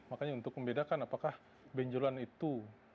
makanya untuk membedakan apakah benjolan itu